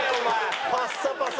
パッサパサ。